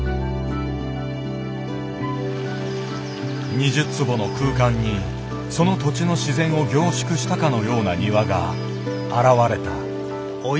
２０坪の空間にその土地の自然を凝縮したかのような庭が現れた。